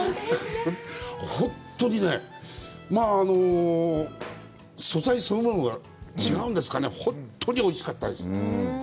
本当にね、素材そのものが違うんですかね、本当においしかったです！